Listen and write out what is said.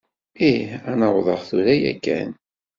Ih, ad n-awḍeɣ tura yakan.